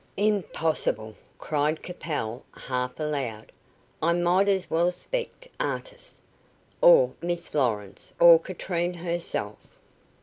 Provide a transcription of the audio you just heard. "Impossible!" cried Capel, half aloud; "I might as well suspect Artis, or Miss Lawrence, or Katrine herself."